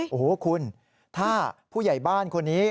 โอ้โหคุณถ้าผู้ใหญ่บ้านคนนี้